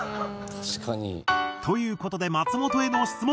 確かに。という事で松本への質問。